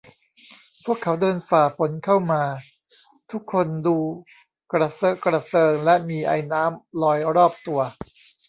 พวกเขาเดินฝ่าฝนเข้ามา ทุกคนดูกระเซอะกระเซิงและมีไอน้ำลอยรอบตัว